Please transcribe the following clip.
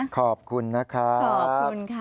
ขอบคุณนะครับ